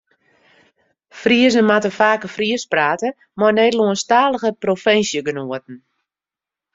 Friezen moatte faker Frysk prate mei Nederlânsktalige provinsjegenoaten.